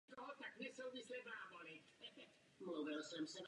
Na spodní desce byla dvě masivní oka pro uchycení tažných lan.